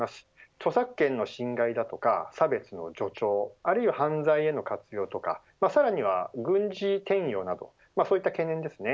著作権の侵害だとか差別の助長あるいは犯罪への活用とかさらには軍事転用などそういった懸念ですね。